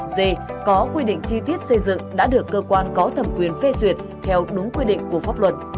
d có quy định chi tiết xây dựng đã được cơ quan có thẩm quyền phê duyệt theo đúng quy định của pháp luật